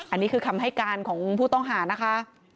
อันนี้คือคำให้การของผู้ต้องหานะคะ